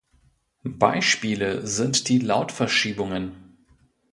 Beispiele sind die Lautverschiebungen.